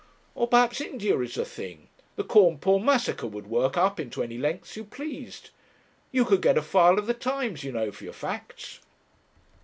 'Or perhaps India is the thing? The Cawnpore massacre would work up into any lengths you pleased. You could get a file of the Times, you know, for your facts.'